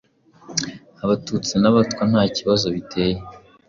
Abatutsi n'Abatwa nta kibazo biteye,